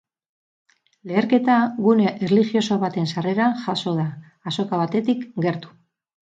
Leherketa gune erlijioso baten sarreran jazo da, azoka batetik gertu.